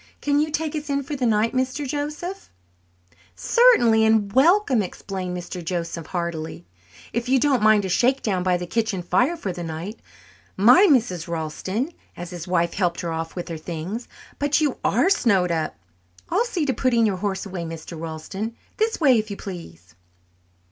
Can you take us in for the night, Mr. Joseph?" "Certainly, and welcome!" exclaimed Mr. Joseph heartily, "if you don't mind a shakedown by the kitchen fire for the night. My, Mrs. Ralston," as his wife helped her off with her things, "but you are snowed up! I'll see to putting your horse away, Mr. Ralston. This way, if you please."